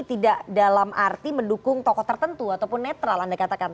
tidak dalam arti mendukung tokoh tertentu ataupun netral anda katakan